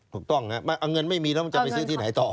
ถูกต้องครับเอาเงินไม่มีแล้วมันจะไปซื้อที่ไหนต่อ